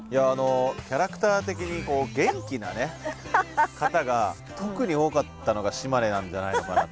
キャラクター的に元気な方が特に多かったのが島根なんじゃないのかなと。